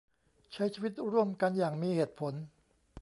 ใช้ชีวิตร่วมกันอย่างมีเหตุผล